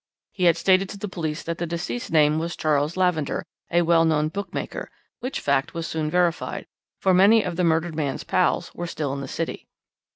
He had stated to the police that the deceased's name was Charles Lavender, a well known bookmaker, which fact was soon verified, for many of the murdered man's 'pals' were still in the city.